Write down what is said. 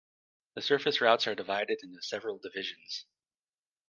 The surface routes are divided into several divisions.